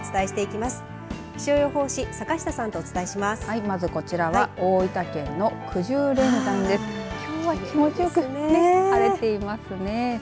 きょうは気持ちよく晴れていますね。